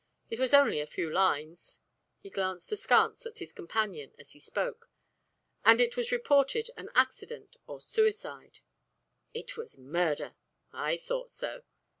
It was only a few lines." He glanced askance at his companion as he spoke. "And it was reported an accident or suicide." "It was a murder!" "I thought so."